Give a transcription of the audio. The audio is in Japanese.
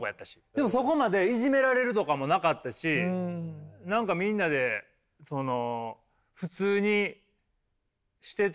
でもそこまでいじめられるとかもなかったし何かみんなでその普通にしてた。